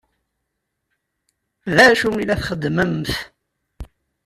D acu i la txeddmemt?